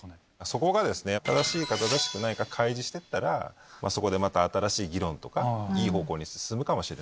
そこが正しいか正しくないか開示してったらそこでまた新しい議論とかいい方向に進むかもしれないです。